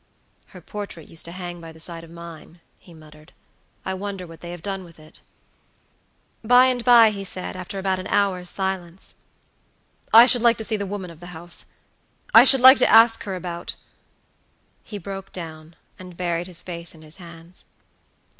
"Her portrait used to hang by the side of mine," he muttered; "I wonder what they have done with it." By and by he said, after about an hour's silence: "I should like to see the woman of the house; I should like to ask her about" He broke down, and buried his face in his hands.